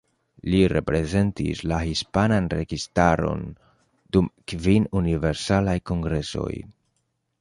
Li reprezentis la hispanan registaron dum kvin Universalaj Kongresoj.